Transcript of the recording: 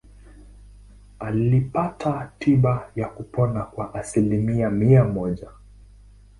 Alipata tiba na kupona kwa asilimia mia moja.